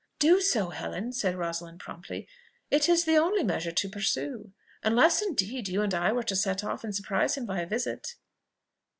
"Do so, Helen," said Rosalind promptly: "it is the only measure to pursue unless indeed you and I were to set off and surprise him by a visit."